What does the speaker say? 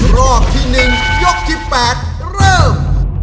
รอบที่๑ยกที่๘เริ่ม